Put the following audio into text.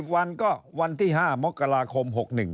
วันก็วันที่๕มกราคม๖๑